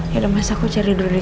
ya udah masa aku cari dulu disana ya